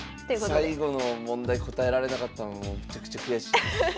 最後の問題答えられなかったのもうめちゃくちゃ悔しいです。